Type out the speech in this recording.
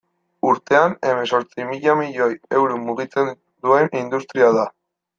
Urtean hemezortzi mila milioi euro mugitzen duen industria da.